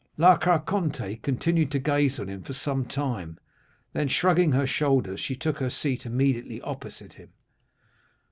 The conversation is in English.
La Carconte continued to gaze on him for some time, then shrugging her shoulders, she took her seat immediately opposite to him.